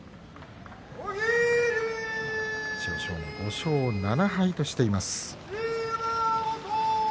千代翔馬、５勝７敗としています。